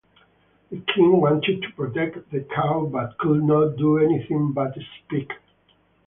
The king wanted to protect the cow but could not do anything but speak.